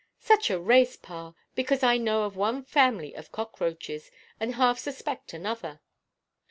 "Such a race, pa; because I know of one family of cockroaches, and half suspect another.